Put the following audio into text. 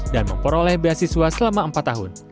dan memperoleh beasiswa selama empat tahun